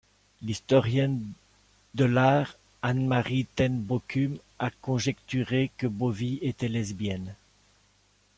L'historienne de l'art Anne-Marie ten Bokum a conjecturé que Bovie était lesbienne.